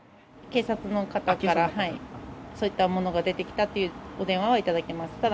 警察の方から、そういったものが出てきたというお電話は頂きました。